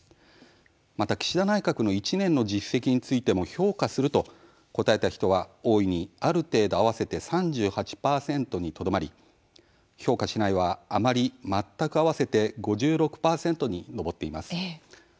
また、岸田内閣の１年間の実績についても「評価する」と答えた人は大いに、ある程度合わせて３８％にとどまり「評価しない」はあまり、全く合わせて５６％に上っています。